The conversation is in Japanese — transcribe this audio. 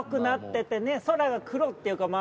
空が黒っていうかまあ